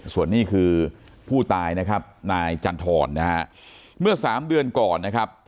ส่วนนี้คือผู้ตายนะครับนายจันทรนะฮะเมื่อสามเดือนก่อนนะครับ